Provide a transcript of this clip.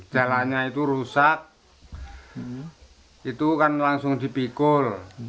jalannya itu rusak itu kan langsung dipikul